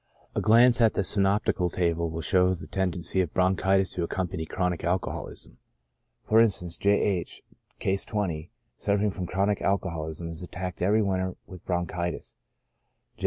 A glance at the synoptical table will show the tendency of bronchitis to accompany chronic alcoholism. For instance, J. H —, (Case 20,) suffering from chronic al coholism, is attacked every winter with bronchitis ; J.